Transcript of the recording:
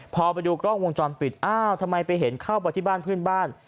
พอไปดูกล้องวงจรปิดอ้าวทำไมไปเห็นเข้าไปที่บ้านเพื่อนบ้าน